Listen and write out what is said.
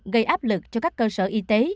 gây áp lực cho các cơ sở y tế